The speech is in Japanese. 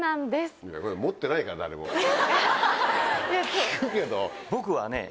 聞くけど。